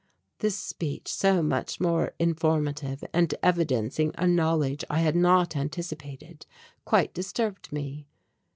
This speech, so much more informative and evidencing a knowledge I had not anticipated, quite disturbed me.